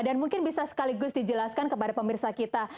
dan mungkin bisa sekaligus dijelaskan kepada pemirsa kita